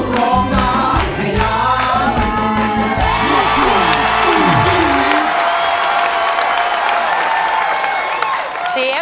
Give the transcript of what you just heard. ร้องได้ให้ล้าน